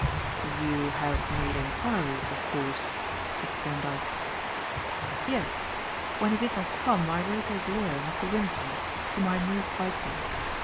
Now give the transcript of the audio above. "You have made enquiries, of course?" said Thorndyke. "Yes. When he did not come, I wrote to his lawyer, Mr. Wyndhurst, whom I knew slightly.